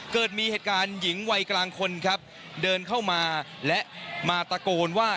เกิดมีเหตุการณ์หญิงวัยกลางคนครับเดินเข้ามาและมาตะโกนว่า